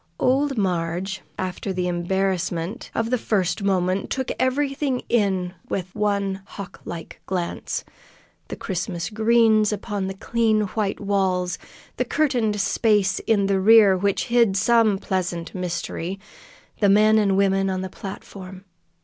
Old Marg, after the embarrassment of the first moment, took everything in with one hawk like glance the Christmas greens upon the clean, white walls, the curtained space in the rear which hid some pleasant mystery, the men and women on the platform.